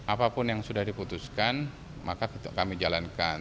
apapun yang sudah diputuskan maka kami jalankan